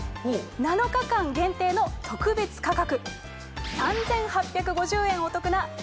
７日間限定の特別価格。